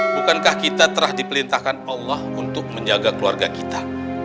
bukankah kita telah diperintahkan allah untuk menjaga keluarga kita